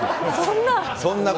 そんな。